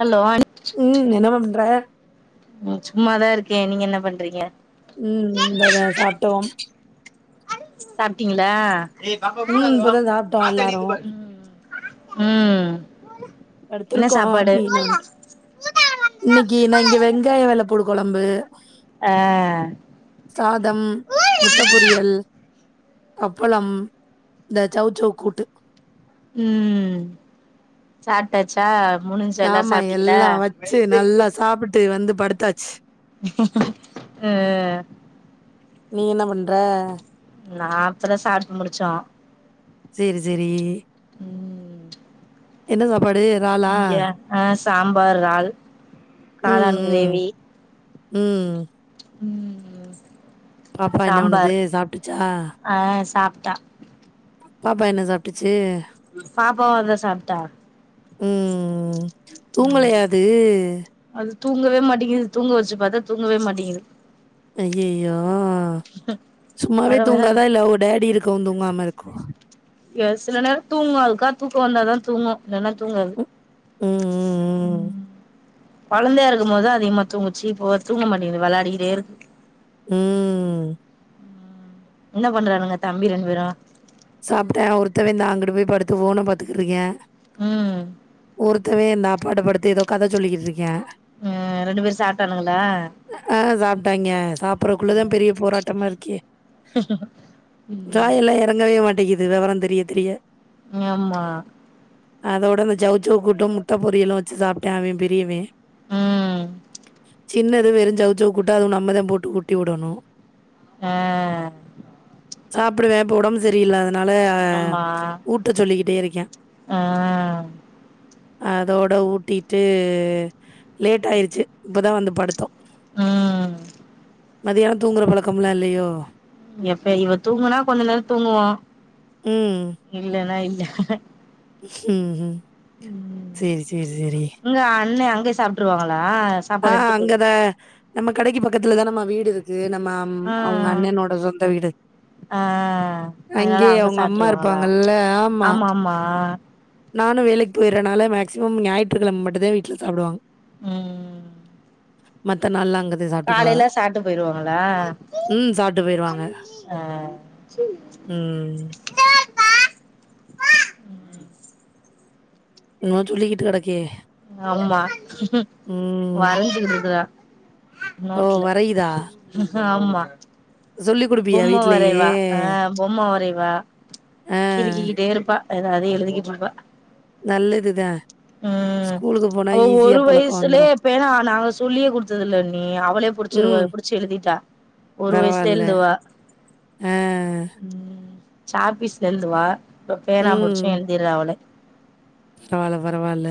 Hello அண் உம் என்ன பண்ற உம் சும்மாதா இருக்கே நீங்க என்ன பண்றீங்க உம் இந்தாதா சாப்ட்டோம் சாப்ட்டீங்ளா ம் இப்பதா சாப்ட்டோ எல்லாரு உம் எடுத்திருக்கோ மீனவன்ட்டு இன்னைக்கு நா இங்க வெங்காய வெள்ளப்பூடு கொழம்பு ஆ சாதம் முட்ட பொரியல் அப்பளம் இந்த சௌச்சௌ கூட்டு உம் சாப்ட்டாச்சா முடிஞ்சா எல்லாரு ஆமா சாப்ட்டீங்களா எல்லா வச்சு நல்லா சாப்ட்டுட் டு வந்து படுத்தாச்சு அஹ் நீ என்ன பண்ற நா இப்பதா சாப்ட்டு முடிச்சோ செரி செரி ம் என்ன சாப் பாடு றாலா இங்க ஆ சாம்பார் றால் காளான் ம் கிரேவி ம் ம் பாப்பா என்ன பண்ணுது சாம்பார் சாப்பட்டுச்சா யா பாப்பா என்ன சாப்ட்டுச்சு பாப்பாவோ அதுதா சாப்ட்டா ம் ம் தூங்கலையா அது அது தூங்கவே மாட்டிங்குது தூங்க வெச்சு பாத்தா தூங்கவே மாட்டிங்குது அய்யய்யோ சும்மாவே வர வர தூங்காதா இல்ல அவங்க டேடி இருக் க்கும் தூங்காம இருக்கும் ஏ சில நேர தூங்கு அதுக்கா தூக்க வந்தாதா தூங்கு இல்லன்னா தூங்காது ம், ம் கொழந்தையா இருக்கும்போது அதிகமா தூங்குச்சு இப்போ தூங்க மாட்டிங்குது வெளையாடிகிட்டே இருக்கு ம் என்ன பண்றானுங்க தம்பி ரெண்ட் பேரும் சாப்ட்டே ஒருத்தவ இந்தா அங்கிட்டு போய் படுத்து ஃபோன பாத்துக்குரிக்கே ம் ஒருத்தவே நா பாட்டு படுத்து ஏதோ கத சொல்லிக்கிட்ருக்கே ம் ரெண்டு பேரு சாப்ட்டானுகளா டாங்கஸ் சாப்பிறக்குள்ளதா பெரிய போராட்டமா இருக்கே ம் காயெல்லா எறங்கவே மாட் டேகிது வெவொரொ தெரிய தெரிய ஆமா அதோட அந்த சௌசௌ கூட்டு முட்ட பொரியலு வச்சு சாப்ட்டா அவெ பெரியவெ ம் சின்ன வெறுஞ் சௌசௌ கூட்டு அது நம்மதா போட்டு ஊட்டி விடணு ஆ சாப்டுவே இப்ப ஒடம்பு சரியில்லாத் னால ஆமா ஊட்டச் சொல்லிக்கிட்டே இருக்கா ஆ அ தோட ஊட்டிட்டு லேட் ஆயிருச்சு இப்பதா வந்து படுத்தோ ம் மதியாணொ தூங்குற பழக்கம்லா இல்லையோ எப்ப இவ தூங்குனா கொஞ்ச நேரொ தூங்குவோ இல்லனா இல் ம் ம் சேரி சேரி சேரி உங்க அண்ணே அங்கே சாப்ட்ருவாங்க ஆ சாப்பாடு எடுத்து போடு அங்கதான் நம்ம கடைக்கு பக்கத்துலதானம்மா வீடு இருக்கு நம்ம அம் ஆ அவ்ங்க அண்ணெனோட சொந்த வீடு ஆ அதனால அங்கே அங்க அவ்ங்க அம்மா சாப்ட்ருவாங்களா இருப்பாங்கல்ல ஆமா நானு வேலைக் போயிர்றனால மேக்சிமம் ஞாயிற்றுக்கிழம மட்டுந்தா வீட்ல சாப்டுவாங் ம் மத்த நாள்லா அங்க காலைல சாப்ட்டு போயிருவாகளா ம் சாப்பிட்டு போயிடுவாங்க ஆ ம் என்னமோ சொல்லிகிட்டு கெடக்கே அம்மா ம் வரைஞ்சுகுட்ருக்குதா ஓ வரையுதா ஆமா சொல்லி கொடுப்பியா பொம்ம வரைவா வீட்லயே ஆ பொம்ம வரைவா ஆ கிறுக்கிகிட்டே இருப்பா எதாது எழுதிகிட்டு இருப்பா நல்ல இதுதா ம் அவ ஒரு பழக்கம் வயசுலயே வந்துரும். பேனா நாங்க சொல்லியே குடுத்ததில்ல அண்ணி அவளே புடிச்சிருவா ம். புடிச்சு எழுதிட்டா ஒரு வயசுலயே பரவால்ல. எழுதுவா ஆ. ம் சாக்பீஸ்ல எழுதுவா இப்ப பேனா புடிச்சி ம். எழுதிர்றா அவளே பரவால்ல பரவால்ல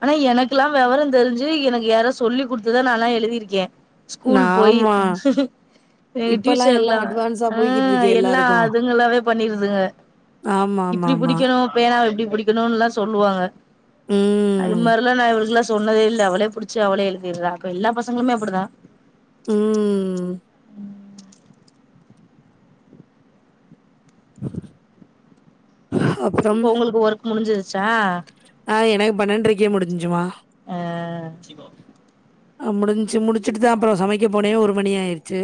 ஆனா எனக்குலா வெவரந் தெரிஞ்சி எனக்கு யாரோ சொல்லி குடுத்துதா நாலா எழுதிருக்கே ஸ்கூல் போய் ஆமா. எங் இப்பலாம் டியூசன்லா எல்லாம் அட்வான்ஸா ஆ போய்க்கிட்டு இருக்கே எல்லா எல்லாருக்கும். அதுங்கலாவே பண்ணிருதுங்க இப்டி ஆமாமாமா. புடிக்கணு பேனாவ இப்டி புடிக்கணுன்லா சொல்லுவாங்க அது ம். மாரிலா நா இவளுக்ளா சொன்னதே இல்ல அவளே புடிச்சி அவளே எழுதிர்றா இப்ப எல்லா பசங்களுமே அப்டிதா ம் அப்புறம்? இப்ப உங்களுக்கு ஒர்க் முடிஞ்சி ச்சா ஆ எனக்கு பன்னன்ட்ரைக்கே முடிஞ்ச்சுமா அ அ முடிஞ்ச்சு முடிச்சுட்டுதா அப்றோ சமைக்க போனே ஒரு மணி ஆயிருச்சு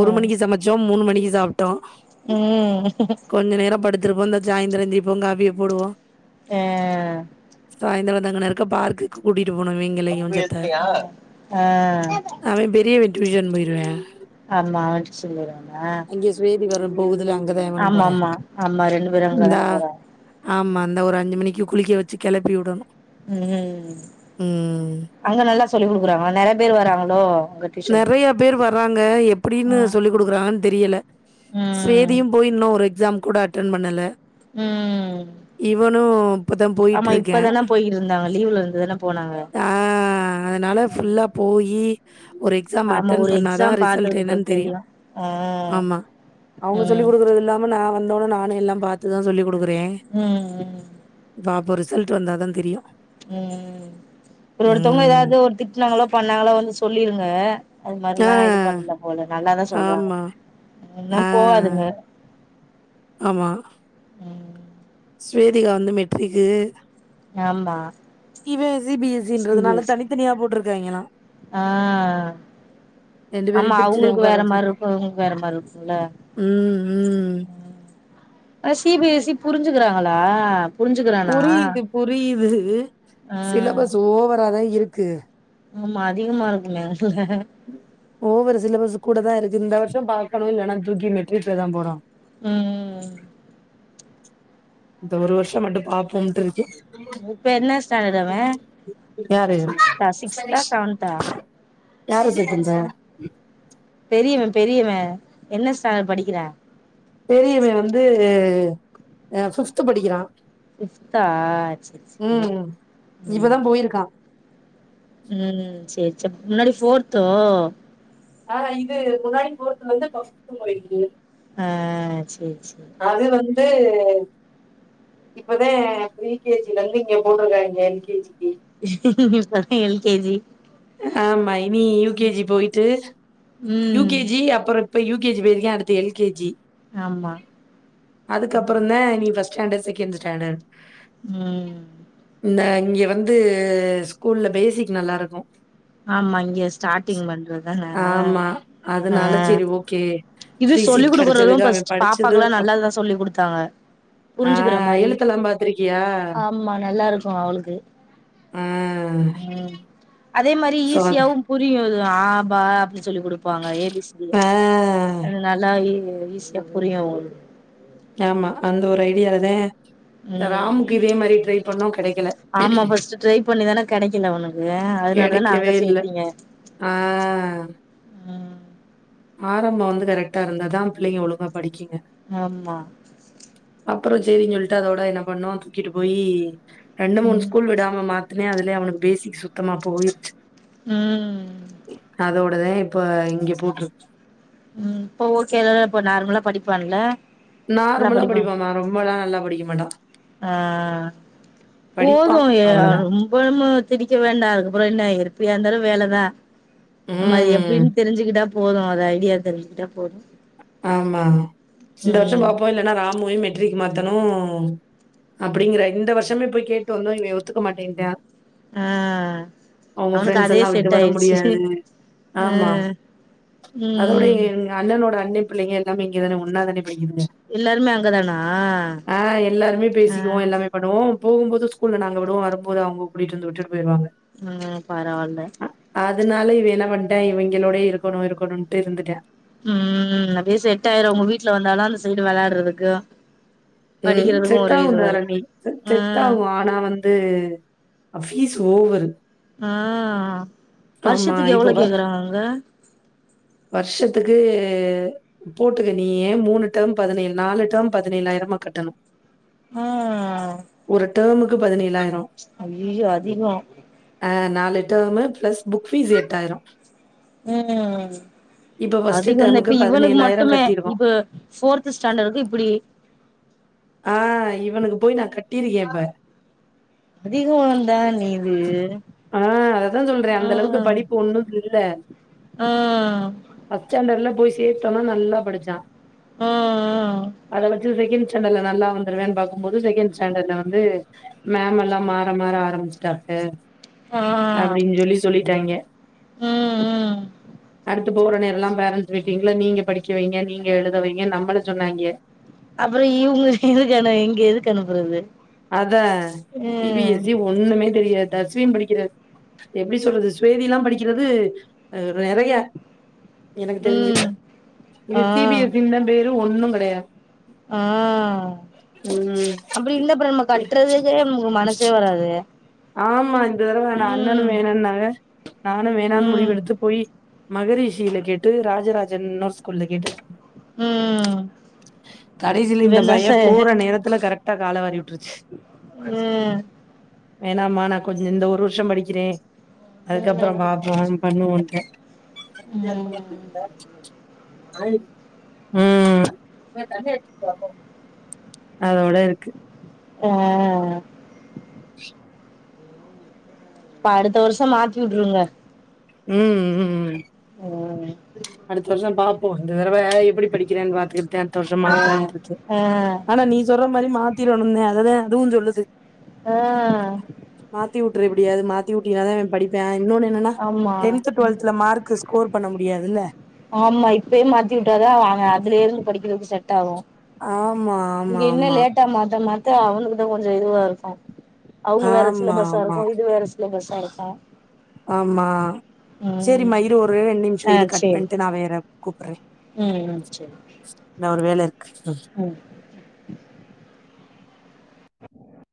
ஒரு மணிக்கு சமைச்சோ மூணு மணி இஸாம் உம் திரும்ப சாந்தரம் எந்திப்போம் காபிய போடுவோ ஆ சாந்தரன் அங்ன இருக்க பார்க்குக்கு கூடிப் அங்க போனவைங்களயு போய் சத்த எழுதுனியா ஆ அவே பெரிய வி டியூஷன் போயிருவ ஆமா அவன்ட சொல்லிரானா அங்கே சுவேதி வர போகுதுல அங்கதா இவனு ஆமா போறா ஆமா ஆமா ரெண்டு பேரு அங்க தான போறாங் இந்த ஒரு அஞ்சு மணிக்கு குளிக்க வச்சி கிளப்பி உடணு உம் அங்க நல்லா சொல்லி் குடுக்குறாங்க நெறைய பேர் வராங்களோ உங்க டியூஷனுக்கு நெறைய பேர் வர்றாங்க எப்டின்னு ஆ சொல்லி குடுக்றாங்கன்னு தெரியல ம் ஸ்ரேதிம் போய்யின்னோ ஒரு எக்ஸாம் கூட அட்டென் பண்ணல ம் இவனு இப்பதா போயிட்டு ஆமா இருக்க இப்பதான போயிட்டு இருந்தாங்க லீவ்ல இருந்துதான போனாங்க ஆ அதனால ஃபுல்லா போயி ஒரு எக்ஸாம் ஆமா அட்டன் ஒரு பண்ணாதா எக்ஸாம் ரிசல்ட் பாத்ததுக்கு அப்புறோ என்னனு தெரியு தெரியும் ஆ ஆமா அவுங்க ம் சொல்லிடுக்கறது இல்லாம ந வந்தோனே நானும் எல்லாம் பாத்துதா சொல்லிக்கு டுக்குறேன் ம் ம் பாப்போ ரிச ரிசல்ட்டு வந்தா தா தெரியும் உம் ஒரு ஒருத்தங்க ம் ஏதாவது ஒரு திட்டனாங்களோ பண்ணாங்களோ வந்து சொ சொல்லிருங்க அது மாரிலா இது ஆ பண்ணல போல நல்லாதா ஆமா சொல்றாங்காங்க ஆ ம் போகாதுங்க ஆமா ம் ஸ்வேதிகா வந்து மெட்ரிக்கு ஆமா இவே சி பி எஸ் சி ன்றதுனால தனித்தனியா போட்டிருக் கங்களாம் ஆஹ் ரெண்டு பேரையு ஆமா பிரிச்சுதா அவங்குளுக்கு உட்கார வேற மார் வச்சிருக்காங்க இருக்கும் இவங்குளுக்கு வேற மாரி இருக்கும்ல ம் ம் ம் சி பி எஸ் சி புரிஞ்சுக்குறாங்களா புரியுது புரியுது ஆ சிலபஸ் ஓவராதா இருக் கு ஆமா அதிகமா இருக்குமே அதுல ஒவர் சிலபஸ் கூட தா இருக்கு இந்த வருஷம் பாக்குணும் இல்லனா தூக்கி மெட்டிரிக்ல தான் போடனும் உம் இந்த ஒரு வருஷம் மட்டும் பாப்போம்ட்டு இருக் இப்ப என்ன ஸ்டாண்டர்ட் அவே யாரு சிக்ஸ்த்தா சிக்ஸ்தா செவென்த்தா யார சேத்திருந்த பெரியவே பெரியவே என்ன ஸ்டாண்டர்ட் படிக்கிறா பெரியவே வந்து ஆ ஃப்பித் படிக்கிறான் ஃப்பித்தா செரி செரி ஹ்ம்ம் இப்பதா போயிருக்கா உம் சேரி சேர் முன்னாடி ஃபோர்த்தோ ஆஹ் இது முன்னாடி ஃபோர்த்துல இருந்து இப்ப ஃப்பித்து போயிருக்குது ஆஹ் சேரி சேரி இது இப்பதா ப்ரீ கே ஜி லெந்து இங்க போட்டு இருக்காங்க எல் கே ஜி க்கு இப்பதா எல் கே ஜி ஆமா இனி யூ கே ஜி போயிட்டு யூ ம் கே ஜி அப்றோ இப்ப யூ கே ஜி போயிருக்கான் அடுத்து எல் கே ஜி ஆமா அதுக்கப்புறோ தா நீ first first standard second standard உம் இந்த இங்க வந்து ஸ்கூல்ல பேசிக் நல்லா இருக்கோ ஆமா இங்க ஸ்டார்டிங் பண்றது தானே ஆமா அதனால சேரி ஓகே இது ஃப்ரீ சொல்லிக் சீட் கொடுக்குறதோ கெடச்சதுக்கு அவ ஃபர்ஸ்ட் பாப்பாக்கு படிச்சது எல்லா கப் நல்லாதா சொல்லி கொடுத்தாங்க ஆ புரிஞ்சுக்கிற மாரி எழுத்தெல்லா பாத்திருக்கியா ஆமா நல்லா இருக்கோ அவளுக்கு ஆ உம் அதே மாரி சோ ஈஸியாவு புரியு ஆ பா சொல்லி கொடுப்பாங்க ஏ பி சி ஆ நல்லாவே ஈசியா புரியோ அவுளுக் ஆமா அந்த ஒரு ஐடியாலதா ம் ராம்க்கு இதே மாரி ட்ரை பண்ணோ கெடைக்கல ஆமா ஃபர்ஸ்ட்டு ட்ரை பண்ணிதான கெடைக்கல உனக்கு அதனால தான அங்க கிடைக்கவே இல்ல சேத்தீங்க ஆஹ் ம் ஆரம்போ வந்து கரெக்டா இருந்தா தா பிள்ளைங்க ஒழுங்கா படிக்குங்க ஆமா அப்புறோ சேரினு சொல்லிட்டு அதோட என்ன பண்ணோ தூக்கிட்டு போயி ரெண்டு மூணு ம் ஸ்கூல் விடாம மாத்துனே அது அவனுக்கு பேசிக்கு சுத்தமா போயிடுச்சு உம் அப்பதா இப்ப இங்க போட்டிருக் உம் இப்ப ஓகே தானே இப்ப நார்மலா படிப்பான்ல நல்லா நார்மலா படிப்பா படிப்பான்மா, ரொம்பலாம் நல்லா படிக்க மாட்டான். ஆஹ் படிப்பான் போதும் அவ்வளதான். ரொம்பமு திணிக்க வேண்டா அதுக்கப்புற என்ன எப்படியா இருந்தாலு வேலதா ஆமா அது ம். எப்படின்னு தெரிஞ்சுக்கிட்டா போதும் அது ஐடியா தெரிஞ்சுகிட்டா போது ஆமா இந்த வருஷ ம் பாப்போ இல்லேன்னா ராமுவயு மெட்ரிக் மா த்தனு அப்படிங்கிற இந்த வருஷமே போய் கேட்டு வந்தோ இவ ஒத்துக்க மாட்டேன்டா ஆ அவங்க அவனுக்கு பிரரெண்ட்ஸ் அதே எல்லா விட்டு செட் வர ஆயிடுச்சு முடியாது ஆ ஆமா அதோட ம் எங்க அண்ணனோட அண்ணே பிள்ளைங்க எல்லாமே இங்கதானே ஒன்னாதானே படிக்குதுங்க எல்லாருமே அங்கதானா ஆஹ் எல்லாருமே ஆ பேசிக்குவோ எல்லாமே பண்ணுவோ போகும்போது ஸ்கூல்ல நாங்க விடுவோ வரும்போது அவங்க கூட்டிட்டு வந்து விட்டுட்டு போயிருவாங்க உம் பரவால்ல அதனால இவ என்ன பண்ட்டே இவிங்களோடயே இருக்கணு இருக்கணும்ட்டு இருந்துட்டே உம் அப்படியே செட்டாயிரு உங்க வீட்ல வந்தாதா அந்த ச வெளாடுறதுக்கு ம் படிக்கிறதுக்கு ஒரே செட்டாகு இதுவா இருக்கு தாரணி ஆ செட்டாகு ஆனா வந்து அஃப் ஃபீஸு ஓவரு ஆ ஆமா. வருஷத்துக்கு எவ்வளோ கேக்குறாங்க அங்க வர்ஷத்துக்கு போட்டுக்க நீயே மூணு டெர்ம் பதனேழு நாலு டெர்ம் பதனேழாயிரமா கட்டணு ஆ ஒரு டெர்முக் கு பதினேழ் ஐயயோ அதிகோ நாலு டேர்மு ப்ளஸ் புக் ஃபீஸ் எட்டாயிரோ ம் ம் ஃபர்ஸ்ட்டு அதிகந்த டெர்முக்கு இப்ப இவனுக் மட்டுமே கட்டியிருக்கோம். இப்ப ஃபோர்து ஸ்டாண்டடுக்கு இப்புடி ஆ இவனுக்கு போய் நா கட் அ திது வோந்தாநீ த ஆ அததாஞ் சொல்ற அந்தளவுக்கு படிப்பு ஒன்னு கில்ல ம் ம் ஃபஸ்டாண்டர்ல போய் சேத்தோனா நல்லா படிச்சா அத வச்சு செகேன் ஸடாண்டல்ல நல்லா வந்துருவேன் பாக்கும்போது செகேண் ஸ்டாண்டர்ல வந்து மேம் எல்லா மாற மாற ஆரம்பிச்ட்டாங்க ஆ அப்டின்ஞ் சொல்லி சொல்லிட்டாங்க ம் ம் அடு ட்டு போகுற நேரல்லா பேரண்ட்ஸ் மீட்டிங்ல நீங்க படிக்க வைங்க நீங்க எழுதவைங்கன்னு நம்மள சொன்னாய்ங்க அப்பற இவுங்க எதுக்கு இங்க எதுக்கு அனுப்புறது அதா சி பி ம் எஸ் சி ஒண்ணுமே தெரியாத் டஸ்வின் படிக்கிற எப்டி சொல்றது ஸ்வேதிலா படிக்கிறது அ நறைய எனக்கு தெரிஞ்சு ம் இவ ஆ சி பி எஸ் சி ன்தா பேரு ஒண்ணுங் கடையா ஆ ம் அப்டி இல்ல ப்ரண் ம்ம கட்டுறதுக்கே நம்க்க மனஸ் சே வராது ஆமா இந்த தடவ ந அண்ணனு ம் வேணான்னாங்க நானு வேணான் ம் முடிவெடுத்து போயி மகரிஷில கேட்டு ராஜராஜன்னோ ஸ்கூல்ல கேட்டுக் ம் கடைசில இந்த இவன்தா பையன் சார் போற நேரத்துல கரக் டா கால வாரி விட்டுருச்சு ம் வேணமா நா கொஞ்ச இந்த ஒரு வருஷோ படிக்கிறே அதுக்கப்றோ பாப்போ பண்ணுவோண்ட்டு [inaudible] ம் ம் [unintelligible] ம் அதோட இருக்கு ஆ இப்ப அடுத்த வருஷோ மாத்தியுட்ருங்க ம் ம் ம் ம் அடுத்த வருஷோ பாப்போ இந்த தடவ எப்டி படிக்கிறன்னு பாத்துகிட்டுதா அடுத்த வருஷோ ம் ஆ மாத்தணுன்னுட்டுருக்க ஆனா நீ சொல்ற மாரி மாத்திடணும்னுதா அததா அதுவு சொல்லுது ஆ மாத்தியுட்டுரு எப்டியாது மாத்தியுட் ட்டினாதா இவ படிப்பா இன்னொனு என்னன்னா ஆமா டென்த் டுவெல்த்ல மார்க் ஸ்கோர் பண்ண முடியாதுல்ல ஆமா இப்பயே டாவு ஆமா இங்க ஆமா இன்னு ஆமா லேட்டா மாத்த மா த்த அவனுக்குதா கொஞ்சோ இதுவா இருக்கு அவங்க வேற ஆமா சிலபஸ்சா ஆமா இருக்கு இது வேற சி சிலாபஸ்ஸா இருக்கு ஆமா சேரி ம் மா இரு ஒரு ரெண்டு நிமிஷோ ஆ இரு கட் சேரி பண்ட்டு நா வேற கூப்பர்றே நா ஒரு வேல இருக்கு ம் உம்